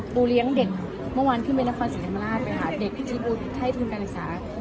กูเลี้ยงเด็กเมื่อวานขึ้นไปนักฟันศรีธรรมานราชไปหาเด็กที่บูถ่ายทุนการอักษา